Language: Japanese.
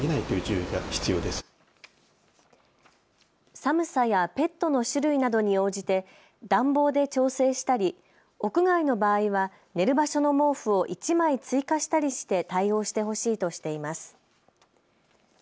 寒さやペットの種類などに応じて暖房で調整したり屋外の場合は寝る場所の毛布を１枚追加したりして対応してほしいとしています。